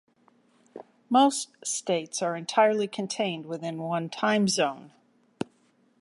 Most states are entirely contained within one time zone.